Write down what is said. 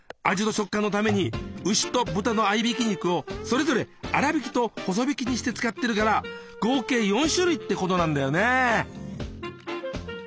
味と食感のために牛と豚の合いびき肉をそれぞれ粗びきと細びきにして使ってるから合計４種類ってことなんだよね。